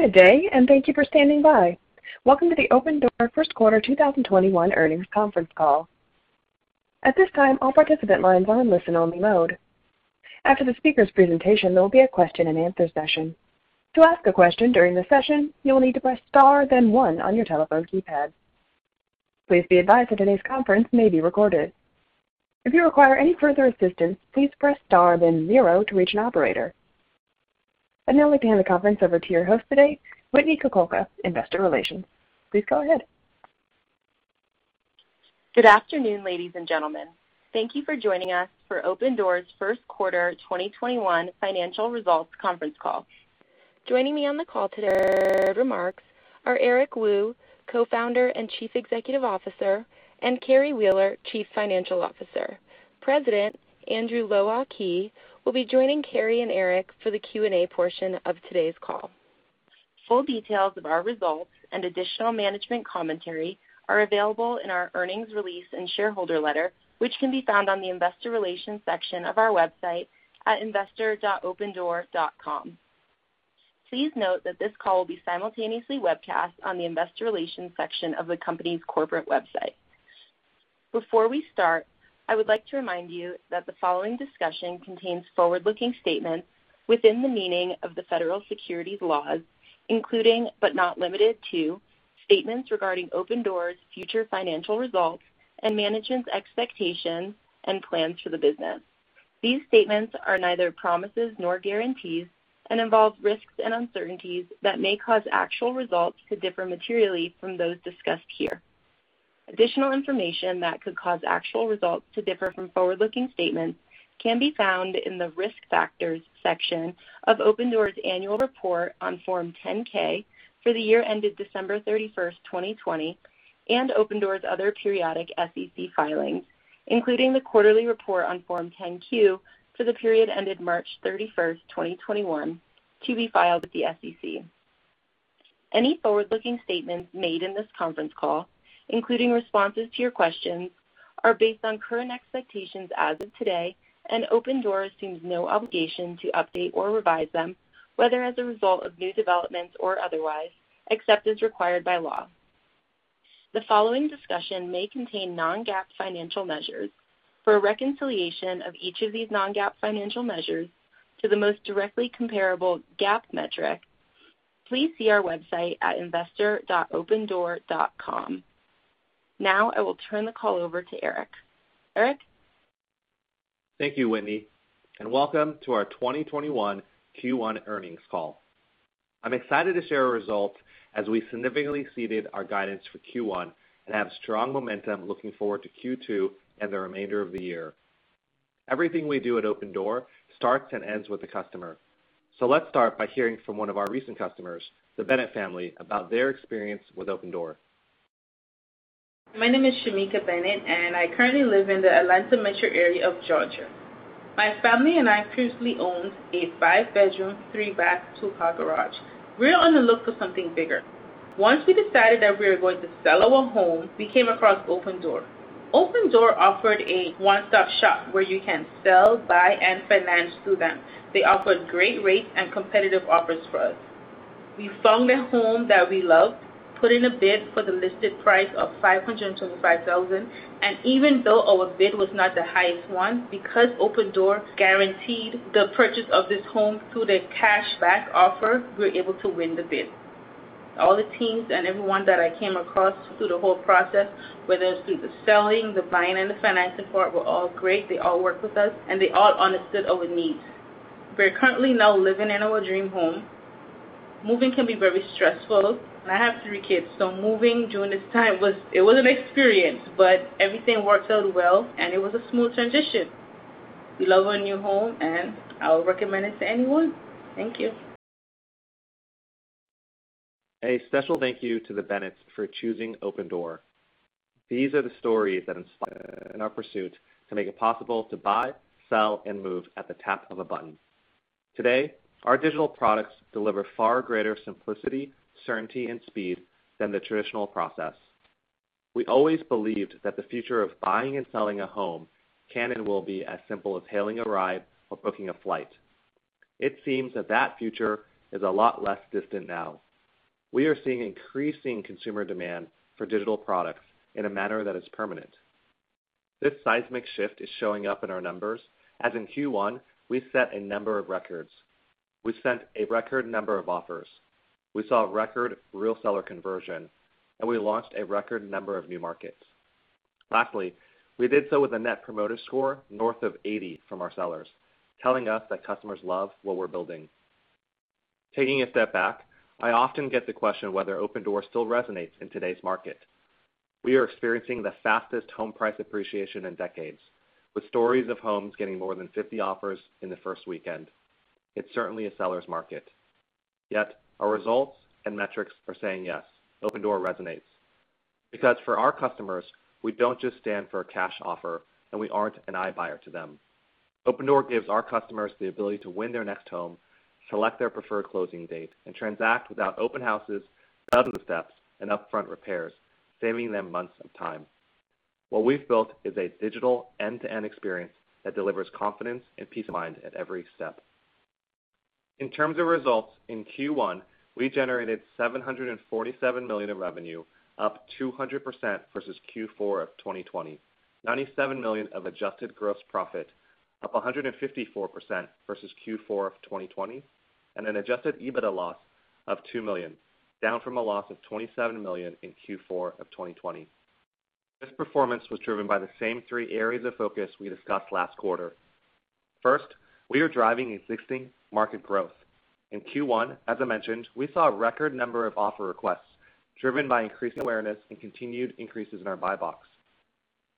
Good day, and thank you for standing by. Welcome to the Opendoor first quarter 2021 earnings conference call. At this time, all participant lines are in listen only mode. After the speakers' presentation, there will be a question and answer session. To ask a question during the session, you will need to press star then one on your telephone keypad. Please be advised that today's conference may be recorded. If you require any further assistance, please press star then zero to reach an operator. I'd now like to hand the conference over to your host today, Whitney Kukulka, Investor Relations. Please go ahead. Good afternoon, ladies and gentlemen. Thank you for joining us for Opendoor's first quarter 2021 financial results conference call. Joining me on the call today, remarks are Eric Wu, Co-Founder and Chief Executive Officer, and Carrie Wheeler, Chief Financial Officer. President Andrew Low Ah Kee will be joining Carrie and Eric for the Q&A portion of today's call. Full details of our results and additional management commentary are available in our earnings release and shareholder letter, which can be found on the investor relations section of our website at investor.opendoor.com. Please note that this call will be simultaneously webcast on the investor relations section of the company's corporate website. Before we start, I would like to remind you that the following discussion contains forward-looking statements within the meaning of the federal securities laws, including but not limited to statements regarding Opendoor's future financial results and management's expectations and plans for the business. These statements are neither promises nor guarantees and involve risks and uncertainties that may cause actual results to differ materially from those discussed here. Additional information that could cause actual results to differ from forward-looking statements can be found in the Risk Factors section of Opendoor's annual report on Form 10-K for the year ended December 31st, 2020, and Opendoor's other periodic SEC filings, including the quarterly report on Form 10-Q for the period ended March 31st, 2021, to be filed with the SEC. Any forward-looking statements made in this conference call, including responses to your questions, are based on current expectations as of today, and Opendoor assumes no obligation to update or revise them, whether as a result of new developments or otherwise, except as required by law. The following discussion may contain non-GAAP financial measures. For a reconciliation of each of these non-GAAP financial measures to the most directly comparable GAAP metric, please see our website at investor.opendoor.com. Now, I will turn the call over to Eric. Eric? Thank you, Whitney, and welcome to our 2021 Q1 earnings call. I'm excited to share our results as we significantly exceeded our guidance for Q1 and have strong momentum looking forward to Q2 and the remainder of the year. Everything we do at Opendoor starts and ends with the customer. Let's start by hearing from one of our recent customers, the Bennett family, about their experience with Opendoor. My name is Shamika Bennett, and I currently live in the Atlanta metro area of Georgia. My family and I previously owned a 5-bedroom, 3-bath, 2-car garage. We were on the look for something bigger. Once we decided that we were going to sell our home, we came across Opendoor. Opendoor offered a one-stop shop where you can sell, buy, and finance through them. They offered great rates and competitive offers for us. We found a home that we loved, put in a bid for the listed price of $525,000, and even though our bid was not the highest one, because Opendoor guaranteed the purchase of this home through their cashback offer, we were able to win the bid. All the teams and everyone that I came across through the whole process, whether it's through the selling, the buying, and the financing part, were all great. They all worked with us, and they all understood our needs. We're currently now living in our dream home. Moving can be very stressful, and I have three kids, so moving during this time was an experience, but everything worked out well, and it was a smooth transition. We love our new home, and I would recommend it to anyone. Thank you. A special thank you to the Bennetts for choosing Opendoor. These are the stories that inspire us in our pursuit to make it possible to buy, sell, and move at the tap of a button. Today, our digital products deliver far greater simplicity, certainty, and speed than the traditional process. We always believed that the future of buying and selling a home can and will be as simple as hailing a ride or booking a flight. It seems that that future is a lot less distant now. We are seeing increasing consumer demand for digital products in a manner that is permanent. This seismic shift is showing up in our numbers, as in Q1, we set a number of records. We sent a record number of offers. We saw record real seller conversion, and we launched a record number of new markets. Lastly, we did so with a Net Promoter Score north of 80 from our sellers, telling us that customers love what we're building. Taking a step back, I often get the question of whether Opendoor still resonates in today's market. We are experiencing the fastest home price appreciation in decades, with stories of homes getting more than 50 offers in the first weekend. It's certainly a seller's market. Our results and metrics are saying yes, Opendoor resonates. For our customers, we don't just stand for a cash offer, and we aren't an iBuyer to them. Opendoor gives our customers the ability to win their next home, select their preferred closing date, and transact without open houses, dozens of steps, and upfront repairs, saving them months of time. What we've built is a digital end-to-end experience that delivers confidence and peace of mind at every step. In terms of results, in Q1, we generated $747 million of revenue, up 200% versus Q4 of 2020, $97 million of adjusted gross profit, up 154% versus Q4 of 2020, and an adjusted EBITDA loss of $2 million, down from a loss of $27 million in Q4 of 2020. This performance was driven by the same three areas of focus we discussed last quarter. First, we are driving existing market growth. In Q1, as I mentioned, we saw a record number of offer requests driven by increasing awareness and continued increases in our buy box.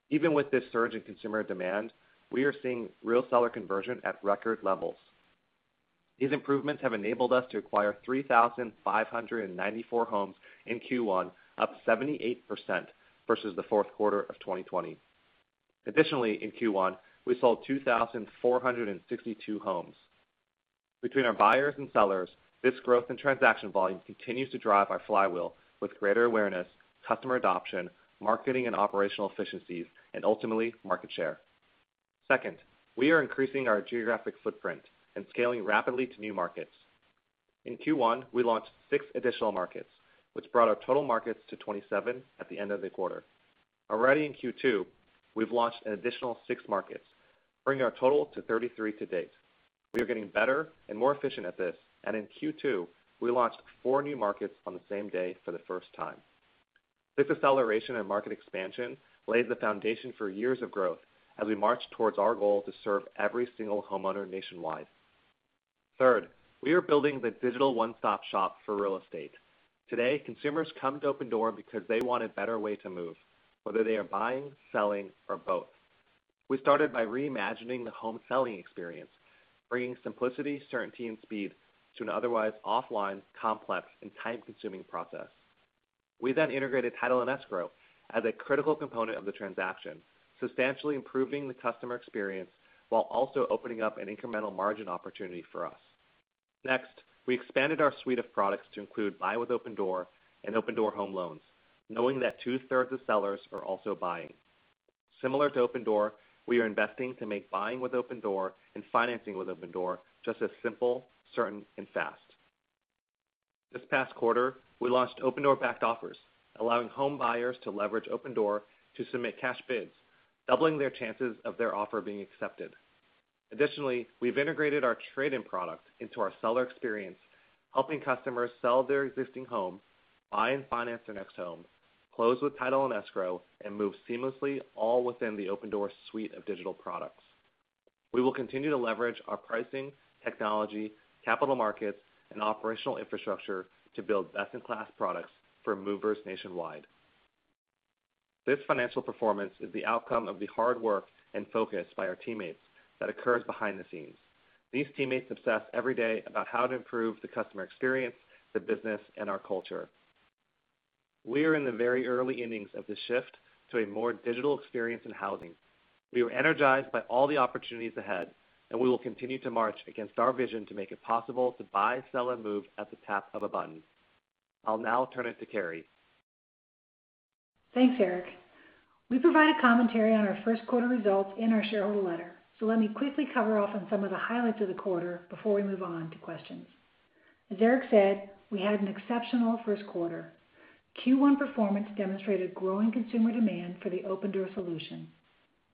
Even with this surge in consumer demand, we are seeing real seller conversion at record levels. These improvements have enabled us to acquire 3,594 homes in Q1, up 78% versus the fourth quarter of 2020. Additionally, in Q1, we sold 2,462 homes. Between our buyers and sellers, this growth in transaction volume continues to drive our flywheel with greater awareness, customer adoption, marketing and operational efficiencies, and ultimately, market share. Second, we are increasing our geographic footprint and scaling rapidly to new markets. In Q1, we launched six additional markets, which brought our total markets to 27 at the end of the quarter. Already in Q2, we've launched an additional six markets, bringing our total to 33 to date. We are getting better and more efficient at this, and in Q2, we launched four new markets on the same day for the first time. This acceleration in market expansion lays the foundation for years of growth as we march towards our goal to serve every single homeowner nationwide. Third, we are building the digital one-stop shop for real estate. Today, consumers come to Opendoor because they want a better way to move, whether they are buying, selling, or both. We started by reimagining the home selling experience, bringing simplicity, certainty, and speed to an otherwise offline, complex, and time-consuming process. We integrated title and escrow as a critical component of the transaction, substantially improving the customer experience while also opening up an incremental margin opportunity for us. We expanded our suite of products to include Buy with Opendoor and Opendoor Home Loans, knowing that two-thirds of sellers are also buying. Similar to Opendoor, we are investing to make buying with Opendoor and financing with Opendoor just as simple, certain, and fast. This past quarter, we launched Opendoor-Backed Offers, allowing home buyers to leverage Opendoor to submit cash bids, doubling their chances of their offer being accepted. Additionally, we've integrated our trade-in product into our seller experience, helping customers sell their existing home, buy and finance their next home, close with title and escrow, and move seamlessly all within the Opendoor suite of digital products. We will continue to leverage our pricing, technology, capital markets, and operational infrastructure to build best-in-class products for movers nationwide. This financial performance is the outcome of the hard work and focus by our teammates that occurs behind the scenes. These teammates obsess every day about how to improve the customer experience, the business, and our culture. We are in the very early innings of the shift to a more digital experience in housing. We are energized by all the opportunities ahead, and we will continue to march against our vision to make it possible to buy, sell, and move at the tap of a button. I'll now turn it to Carrie. Thanks, Eric. We provide a commentary on our first quarter results in our shareholder letter, so let me quickly cover off on some of the highlights of the quarter before we move on to questions. As Eric said, we had an exceptional first quarter. Q1 performance demonstrated growing consumer demand for the Opendoor solution.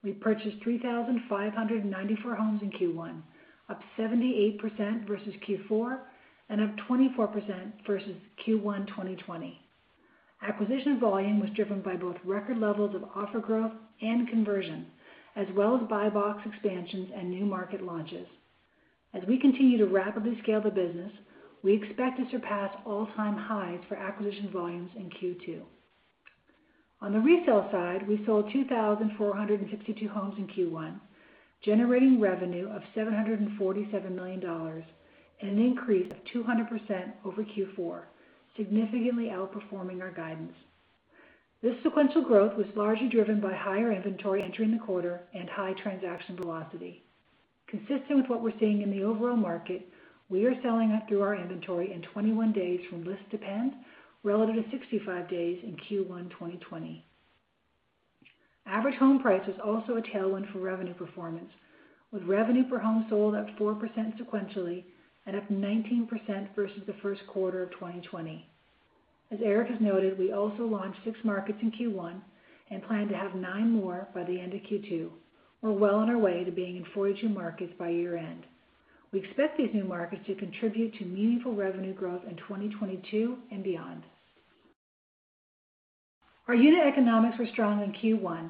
We purchased 3,594 homes in Q1, up 78% versus Q4 and up 24% versus Q1 2020. Acquisition volume was driven by both record levels of offer growth and conversion, as well as buy box expansions and new market launches. As we continue to rapidly scale the business, we expect to surpass all-time highs for acquisition volumes in Q2. On the resale side, we sold 2,462 homes in Q1, generating revenue of $747 million, an increase of 200% over Q4, significantly outperforming our guidance. This sequential growth was largely driven by higher inventory entering the quarter and high transaction velocity. Consistent with what we're seeing in the overall market, we are selling through our inventory in 21 days from list to pend relative to 65 days in Q1 2020. Average home price was also a tailwind for revenue performance, with revenue per home sold up four percent sequentially and up 19% versus the first quarter of 2020. As Eric has noted, we also launched six markets in Q1 and plan to have nine more by the end of Q2. We're well on our way to being in 42 markets by year-end. We expect these new markets to contribute to meaningful revenue growth in 2022 and beyond. Our unit economics were strong in Q1,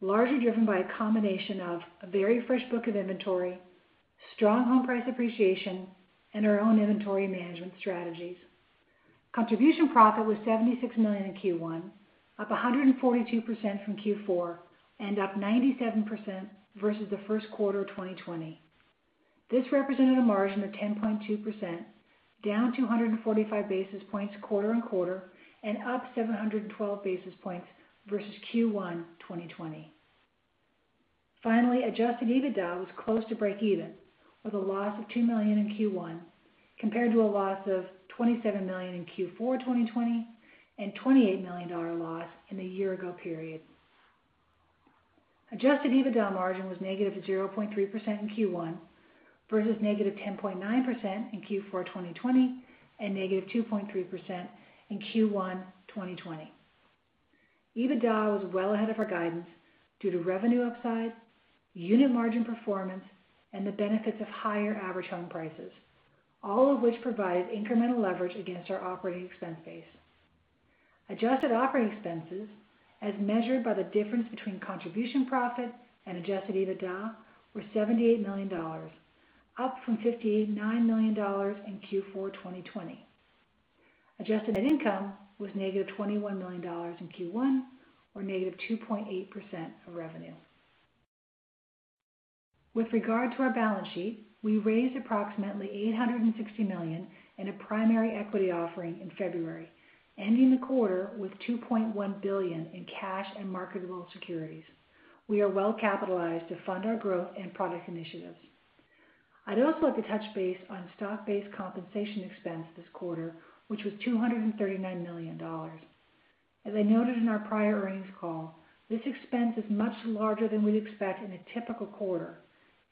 largely driven by a combination of a very fresh book of inventory, strong home price appreciation, and our own inventory management strategies. Contribution profit was $76 million in Q1, up 142% from Q4, and up 97% versus the first quarter of 2020. This represented a margin of 10.2%, down 245 basis points quarter-on-quarter and up 712 basis points versus Q1 2020. Finally, adjusted EBITDA was close to breakeven with a loss of $2 million in Q1 compared to a loss of $27 million in Q4 2020 and $28 million loss in the year ago period. Adjusted EBITDA margin was negative zero point three percent in Q1 versus negative 10.9% in Q4 2020 and negative two point three percent in Q1 2020. EBITDA was well ahead of our guidance due to revenue upside, unit margin performance, and the benefits of higher average home prices, all of which provided incremental leverage against our operating expense base. Adjusted operating expenses, as measured by the difference between contribution profit and adjusted EBITDA, were $78 million, up from $59 million in Q4 2020. Adjusted net income was negative $21 million in Q1 or negative two point eight percent of revenue. With regard to our balance sheet, we raised approximately $860 million in a primary equity offering in February, ending the quarter with $2.1 billion in cash and marketable securities. We are well capitalized to fund our growth and product initiatives. I'd also like to touch base on stock-based compensation expense this quarter, which was $239 million. As I noted in our prior earnings call, this expense is much larger than we'd expect in a typical quarter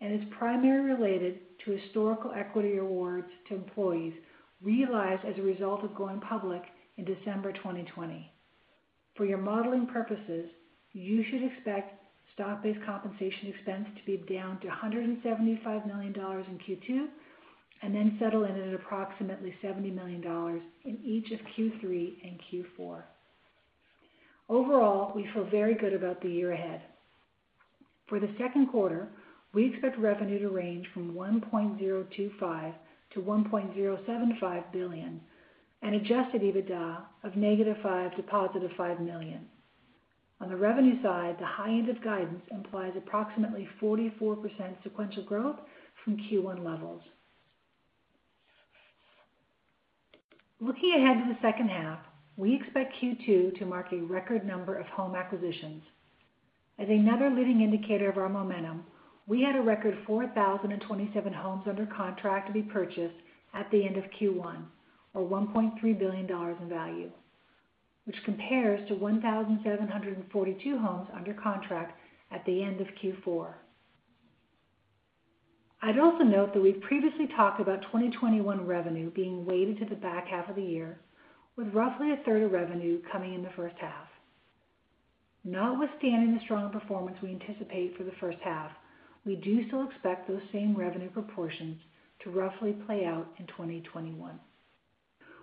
and is primarily related to historical equity awards to employees realized as a result of going public in December 2020. For your modeling purposes, you should expect stock-based compensation expense to be down to $175 million in Q2, and then settle in at approximately $70 million in each of Q3 and Q4. Overall, we feel very good about the year ahead. For the second quarter, we expect revenue to range from $1.025 billion-$1.075 billion and adjusted EBITDA of negative $5 million to positive $5 million. On the revenue side, the high end of guidance implies approximately 44% sequential growth from Q1 levels. Looking ahead to the second half, we expect Q2 to mark a record number of home acquisitions. As another leading indicator of our momentum, we had a record 4,027 homes under contract to be purchased at the end of Q1 or $1.3 billion in value, which compares to 1,742 homes under contract at the end of Q4. I'd also note that we've previously talked about 2021 revenue being weighted to the back half of the year with roughly a third of revenue coming in the first half. Notwithstanding the strong performance we anticipate for the first half, we do still expect those same revenue proportions to roughly play out in 2021.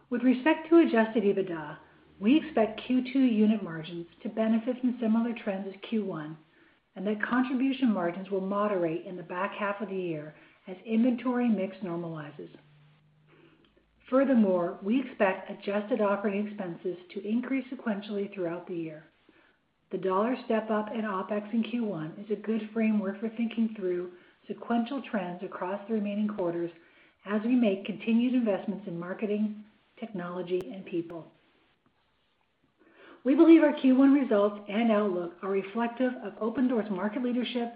With respect to adjusted EBITDA, we expect Q2 unit margins to benefit from similar trends as Q1, and that contribution margins will moderate in the back half of the year as inventory mix normalizes. We expect adjusted operating expenses to increase sequentially throughout the year. The dollar step-up in OpEx in Q1 is a good framework for thinking through sequential trends across the remaining quarters as we make continued investments in marketing, technology, and people. We believe our Q1 results and outlook are reflective of Opendoor's market leadership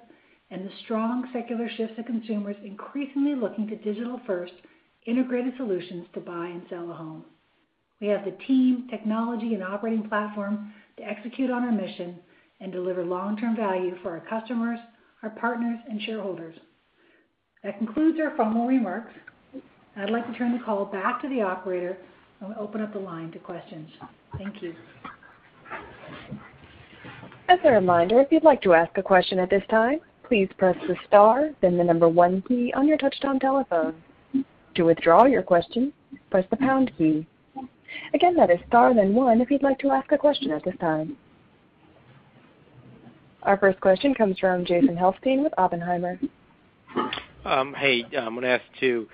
and the strong secular shift to consumers increasingly looking to digital-first integrated solutions to buy and sell a home. We have the team, technology, and operating platform to execute on our mission and deliver long-term value for our customers, our partners, and shareholders. That concludes our formal remarks. I'd like to turn the call back to the operator, and we'll open up the line to questions. Thank you. Our first question comes from Jason Helfstein with Oppenheimer. I'm going to ask two.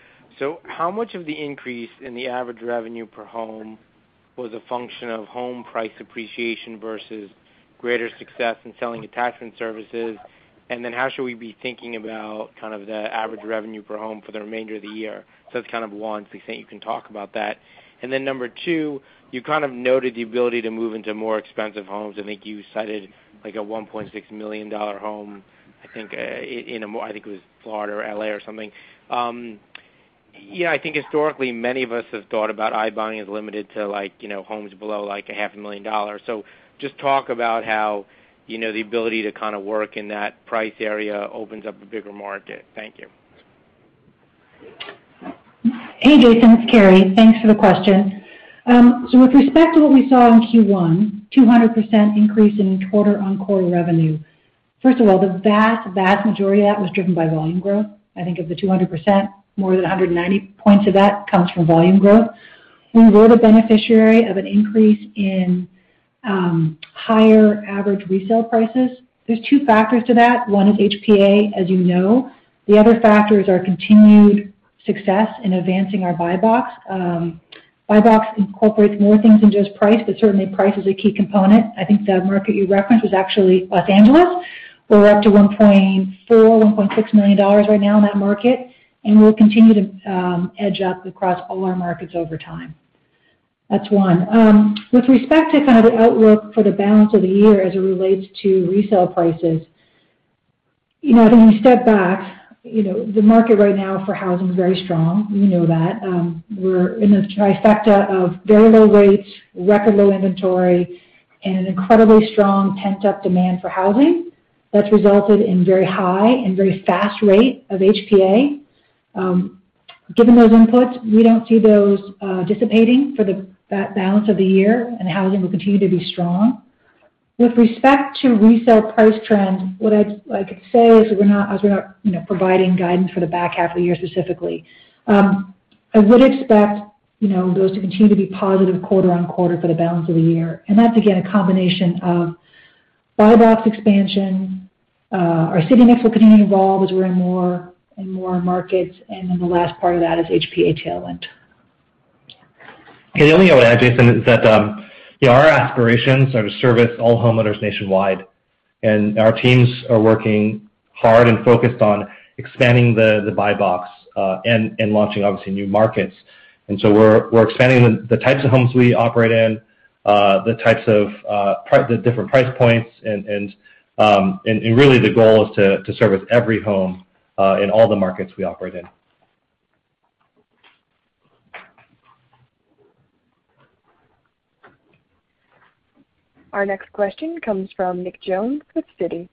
How much of the increase in the average revenue per home was a function of home price appreciation versus greater success in selling attachment services? How should we be thinking about kind of the average revenue per home for the remainder of the year? That's kind of one, if you think you can talk about that. Number two, you kind of noted the ability to move into more expensive homes. I think you cited like a $1.6 million home, I think it was Florida or L.A. or something. Yeah, I think historically many of us have thought about iBuying as limited to homes below like a half a million dollars. Just talk about how the ability to kind of work in that price area opens up a bigger market. Thank you. Hey, Jason, it's Carrie. Thanks for the question. With respect to what we saw in Q1, 200% increase in quarter-on-quarter revenue. First of all, the vast majority of that was driven by volume growth. I think of the 200%, more than 190 points of that comes from volume growth. We were the beneficiary of an increase in higher average resale prices. There's two factors to that. One is HPA, as you know. The other factor is our continued success in advancing our buy box. Buy box incorporates more things than just price, but certainly price is a key component. I think the market you referenced was actually Los Angeles. We're up to $1.4 million, $1.6 million right now in that market, and we'll continue to edge up across all our markets over time. That's one. With respect to the outlook for the balance of the year as it relates to resale prices. When you step back, the market right now for housing is very strong. We know that. We're in a trifecta of very low rates, record low inventory, and an incredibly strong pent-up demand for housing that's resulted in very high and very fast rate of HPA. Given those inputs, we don't see those dissipating for the balance of the year, and housing will continue to be strong. With respect to resale price trends, what I could say is we're not providing guidance for the back half of the year specifically. I would expect those to continue to be positive quarter-on-quarter for the balance of the year, and that's again, a combination of buy box expansion, our city mix will continue to evolve as we're in more and more markets. The last part of that is HPA tailwind. Hey, the only thing I would add, Jason, is that our aspirations are to service all homeowners nationwide, and our teams are working hard and focused on expanding the buy box, and launching, obviously, new markets. We're expanding the types of homes we operate in, the different price points, and really the goal is to service every home, in all the markets we operate in. Our next question comes from Nick Jones with Citi.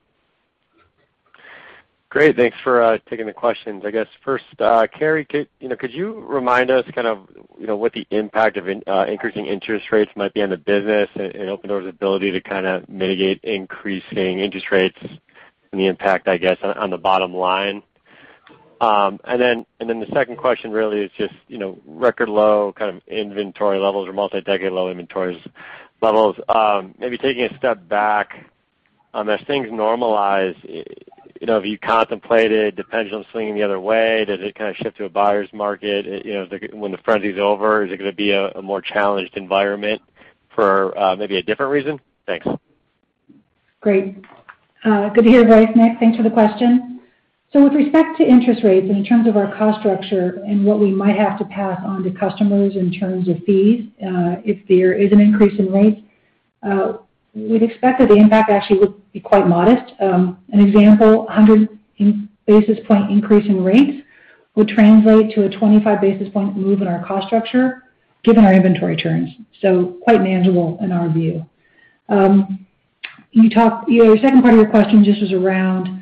Great. Thanks for taking the questions. I guess first, Carrie, could you remind us what the impact of increasing interest rates might be on the business and Opendoor's ability to mitigate increasing interest rates and the impact, I guess, on the bottom line? The second question really is just, record low inventory levels or multi-decade low inventories levels. Maybe taking a step back, as things normalize, have you contemplated the pendulum swinging the other way? Does it shift to a buyer's market? When the frenzy's over, is it going to be a more challenged environment for maybe a different reason? Thanks. Great. Good to hear your voice, Nick. Thanks for the question. With respect to interest rates, and in terms of our cost structure and what we might have to pass on to customers in terms of fees, if there is an increase in rates, we'd expect that the impact actually would be quite modest. An example, 100 basis point increase in rates would translate to a 25 basis point move in our cost structure given our inventory turns. Quite manageable in our view. Your second part of your question just is around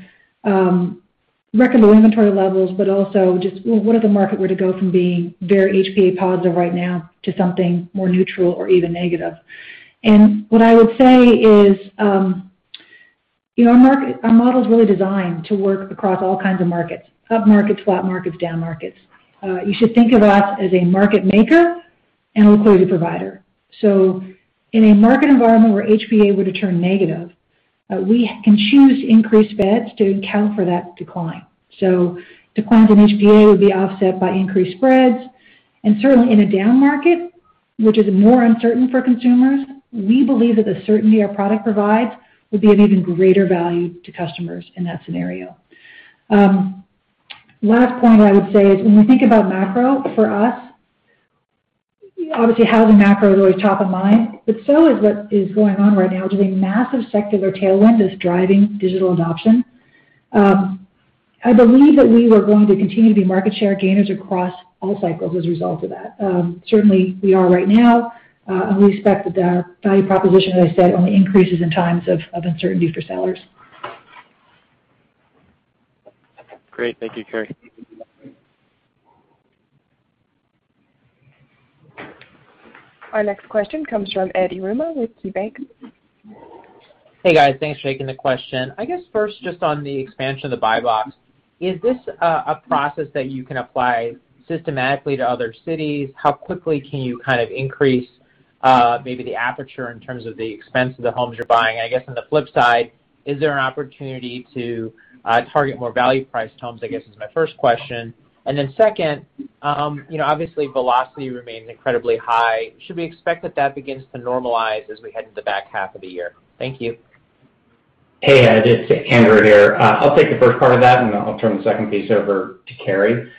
record low inventory levels, but also just what if the market were to go from being very HPA positive right now to something more neutral or even negative. What I would say is our model's really designed to work across all kinds of markets, up markets, flat markets, down markets. You should think of us as a market maker and a liquidity provider. In a market environment where HPA were to turn negative, we can choose increased bids to account for that decline. Declines in HPA would be offset by increased spreads. Certainly in a down market, which is more uncertain for consumers, we believe that the certainty our product provides would be of even greater value to customers in that scenario. Last point I would say is when we think about macro for us, obviously housing macro is always top of mind, but so is what is going on right now, which is a massive secular tailwind is driving digital adoption. I believe that we are going to continue to be market share gainers across all cycles as a result of that. Certainly, we are right now. We expect that our value proposition, as I said, only increases in times of uncertainty for sellers. Great. Thank you, Carrie. Our next question comes from Ed Yruma with KeyBanc. Hey, guys. Thanks for taking the question. I guess first, just on the expansion of the buy box, is this a process that you can apply systematically to other cities? How quickly can you increase maybe the aperture in terms of the expense of the homes you're buying? I guess on the flip side, is there an opportunity to target more value-priced homes, I guess, is my first question. Second, obviously velocity remains incredibly high. Should we expect that that begins to normalize as we head into the back half of the year? Thank you. Hey, Ed. It's Dan Rood here. I'll take the first part of that, and I'll turn the second piece over to Carrie.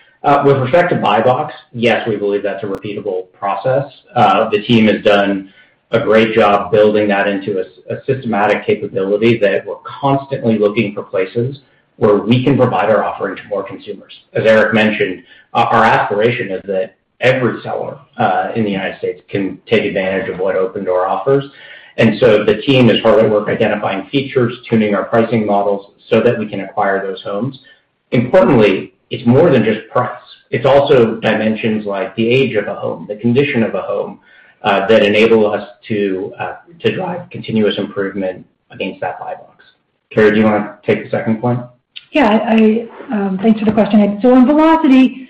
With respect to buy box, yes, we believe that's a repeatable process. The team has done a great job building that into a systematic capability that we're constantly looking for places where we can provide our offering to more consumers. As Eric mentioned, our aspiration is that every seller in the U.S. can take advantage of what Opendoor offers. The team is hard at work identifying features, tuning our pricing models so that we can acquire those homes. Importantly, it's more than just price. It's also dimensions like the age of a home, the condition of a home, that enable us to drive continuous improvement against that buy box. Carrie, do you want to take the second point? Yeah. Thanks for the question, Ed. On velocity,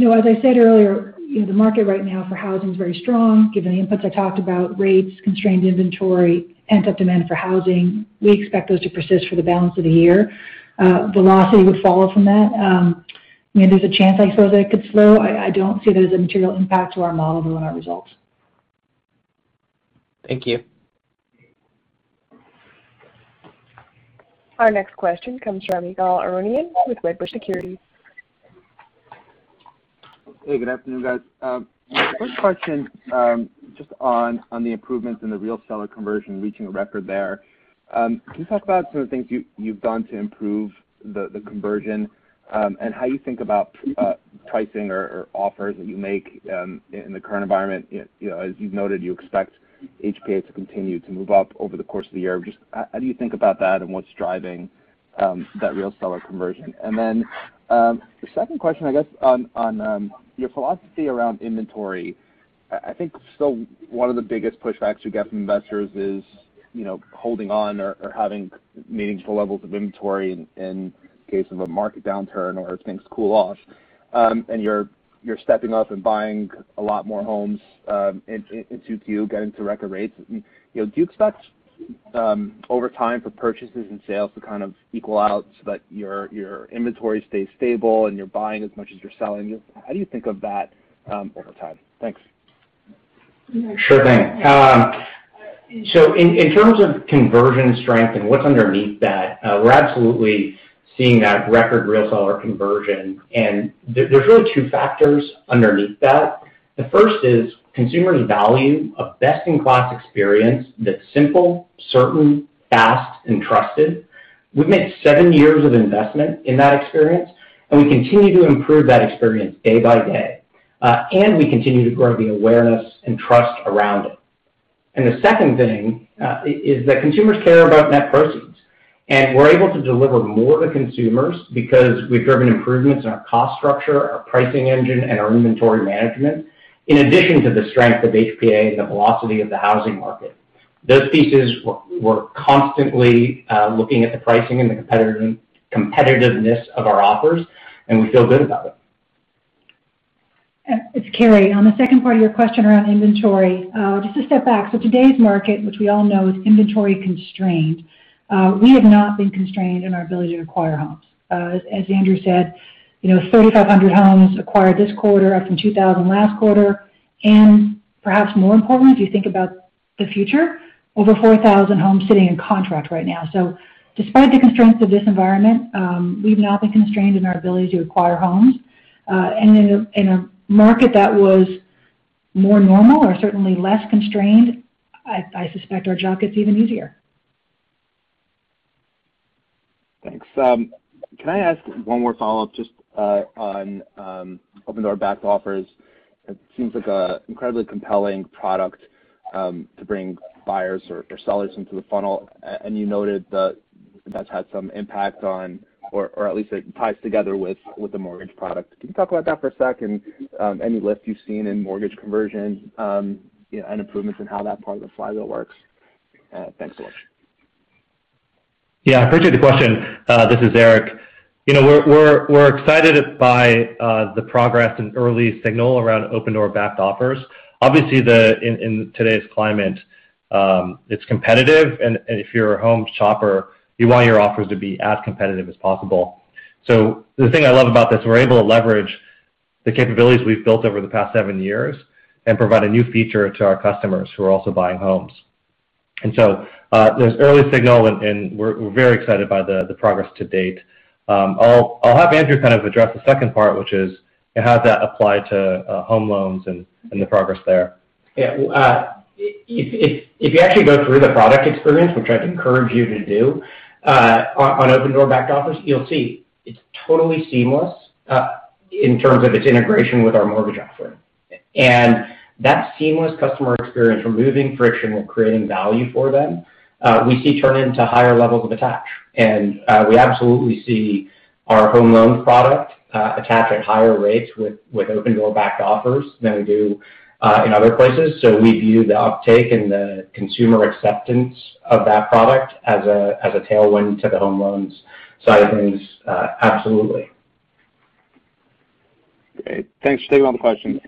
as I said earlier, the market right now for housing is very strong. Given the inputs I talked about, rates, constrained inventory, pent-up demand for housing, we expect those to persist for the balance of the year. Velocity would follow from that. There's a chance, I suppose, that it could slow. I don't see that as a material impact to our model or our results. Thank you. Our next question comes from Ygal Arounian with Wedbush Securities. Hey, good afternoon, guys. First question just on the improvements in the real seller conversion reaching a record there. Can you talk about some of the things you've done to improve the conversion and how you think about pricing or offers that you make in the current environment? As you've noted, you expect HPA to continue to move up over the course of the year. How do you think about that and what's driving that real seller conversion? The second question, I guess, on your philosophy around inventory. I think still one of the biggest pushbacks you get from investors is holding on or having meaningful levels of inventory in case of a market downturn or things cool off. You're stepping up and buying a lot more homes in Q2, getting to record rates. Do you expect over time for purchases and sales to kind of equal out so that your inventory stays stable and you're buying as much as you're selling? How do you think of that over time? Thanks. Sure thing. In terms of conversion strength and what's underneath that, we're absolutely seeing that record real seller conversion, and there's really two factors underneath that. The first is consumers value a best-in-class experience that's simple, certain, fast, and trusted. We've made seven years of investment in that experience, and we continue to improve that experience day by day. We continue to grow the awareness and trust around it. The second thing is that consumers care about net proceeds. We're able to deliver more to consumers because we've driven improvements in our cost structure, our pricing engine, and our inventory management, in addition to the strength of HPA and the velocity of the housing market. Those pieces, we're constantly looking at the pricing and the competitiveness of our offers, and we feel good about it. It's Carrie. On the second part of your question around inventory, just to step back. Today's market, which we all know, is inventory constrained. We have not been constrained in our ability to acquire homes. As Andrew said, 3,500 homes acquired this quarter up from 2,000 last quarter. Perhaps more importantly, if you think about the future, over 4,000 homes sitting in contract right now. Despite the constraints of this environment, we've not been constrained in our ability to acquire homes. In a market that was more normal or certainly less constrained, I suspect our job gets even easier. Thanks. Can I ask one more follow-up just on Opendoor-Backed Offers? It seems like an incredibly compelling product to bring buyers or sellers into the funnel. You noted that that's had some impact on, or at least it ties together with the mortgage product. Can you talk about that for a sec and any lift you've seen in mortgage conversion and improvements in how that part of the flywheel works? Thanks a lot. Yeah, I appreciate the question. This is Eric. We're excited by the progress and early signal around Opendoor-Backed Offers. Obviously, in today's climate, it's competitive, and if you're a home shopper, you want your offers to be as competitive as possible. The thing I love about this, we're able to leverage the capabilities we've built over the past seven years and provide a new feature to our customers who are also buying homes. There's early signal, and we're very excited by the progress to date. I'll have Andrew address the second part, which is how does that apply to home loans and the progress there. Yeah. If you actually go through the product experience, which I'd encourage you to do, on Opendoor-Backed Offers, you'll see it's totally seamless in terms of its integration with our mortgage offering. That seamless customer experience, we're moving friction, we're creating value for them. We see turn into higher levels of attach. We absolutely see our home loans product attach at higher rates with Opendoor-Backed Offers than we do in other places. We view the uptake and the consumer acceptance of that product as a tailwind to the home loans side of things absolutely. Great. Thanks. Stay well. Thanks.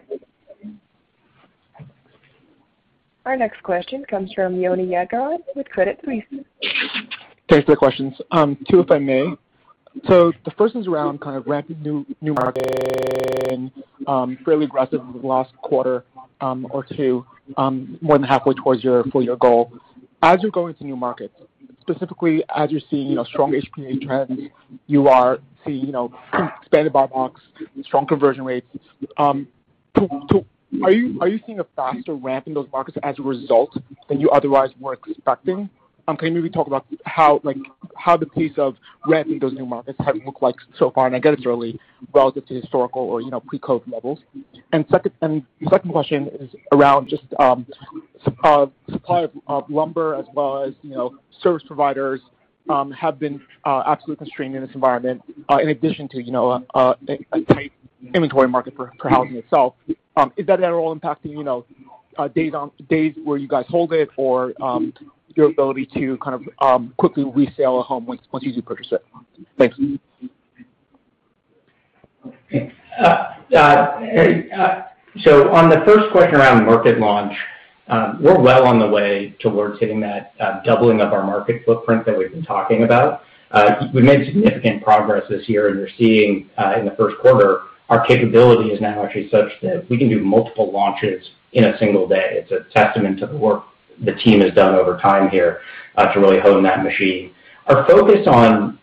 Our next question comes from Yoni Yadgaran with Credit Suisse. Thanks for the questions. Two, if I may. The first is around kind of ramping new markets, fairly aggressive in the last quarter or two, more than halfway towards your full-year goal. As you go into new markets, specifically as you're seeing strong HPA trends, you are seeing expanded buy box, strong conversion rates. Are you seeing a faster ramp in those markets as a result than you otherwise were expecting? Can you maybe talk about how the pace of ramping those new markets have looked like so far? I get it's early relative to historical or pre-COVID levels. The second question is around just supply of lumber as well as service providers have been absolutely constrained in this environment, in addition to a tight inventory market for housing itself. Is that at all impacting days where you guys hold it or your ability to kind of quickly resell a home once you do purchase it? Thank you. On the first question around market launch, we're well on the way towards hitting that doubling of our market footprint that we've been talking about. We made significant progress this year, and you're seeing, in the first quarter, our capability is now actually such that we can do multiple launches in a single day. It's a testament to the work. The team has done over time here to really hone that machine. Our focus on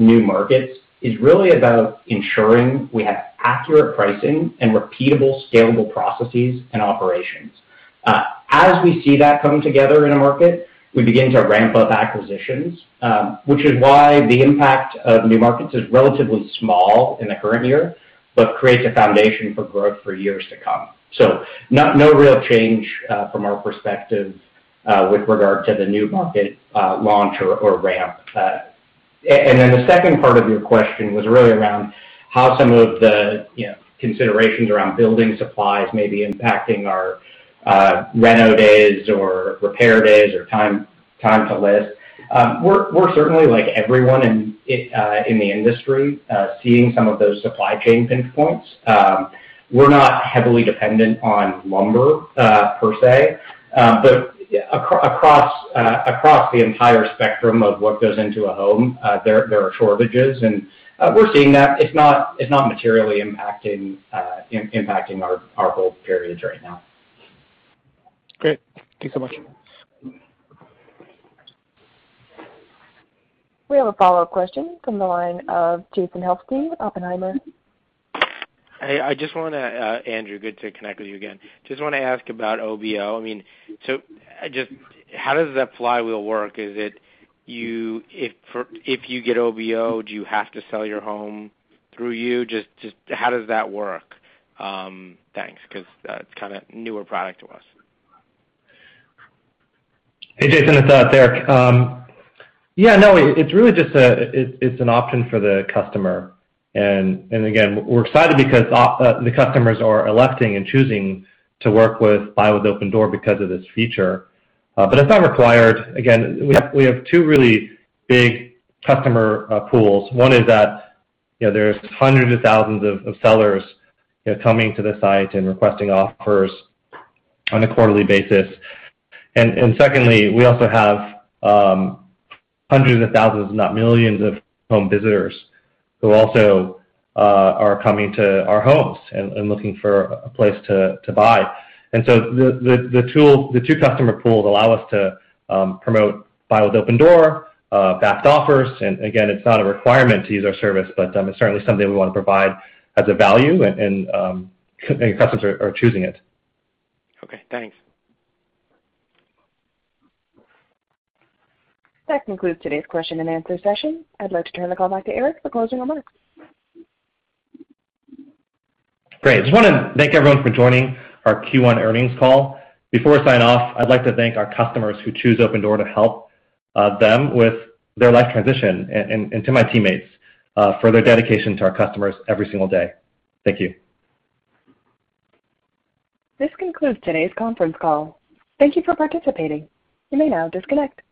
new markets is really about ensuring we have accurate pricing and repeatable, scalable processes and operations. As we see that coming together in a market, we begin to ramp up acquisitions, which is why the impact of new markets is relatively small in the current year, but creates a foundation for growth for years to come. No real change from our perspective with regard to the new market launch or ramp. The second part of your question was really around how some of the considerations around building supplies may be impacting our reno days or repair days or time to list. We're certainly, like everyone in the industry, seeing some of those supply chain pinch points. We're not heavily dependent on lumber per se. Across the entire spectrum of what goes into a home, there are shortages, and we're seeing that it's not materially impacting our hold periods right now. Great. Thank you so much. We have a follow-up question from the line of Jason Helfstein, Oppenheimer. Hey, Andrew, good to connect with you again. Just want to ask about OBO. How does that flywheel work? If you get OBO, do you have to sell your home through you? Just how does that work? Thanks, because that's a newer product to us. Hey, Jason, it's Eric. Yeah, no, it's really just an option for the customer. Again, we're excited because the customers are electing and choosing to work with Buy with Opendoor because of this feature. It's not required. Again, we have two really big customer pools. One is that there's hundreds of thousands of sellers coming to the site and requesting offers on a quarterly basis. Secondly, we also have hundreds of thousands, if not millions, of home visitors who also are coming to our homes and looking for a place to buy. The two customer pools allow us to promote Buy with Opendoor, fast offers, and again, it's not a requirement to use our service, but it's certainly something we want to provide as a value, and customers are choosing it. Okay, thanks. That concludes today's question and answer session. I'd like to turn the call back to Eric for closing remarks. Great. I want to thank everyone for joining our Q1 earnings call. Before I sign off, I'd like to thank our customers who choose Opendoor to help them with their life transition, and to my teammates for their dedication to our customers every single day. Thank you. This concludes today's conference call. Thank you for participating. You may now disconnect.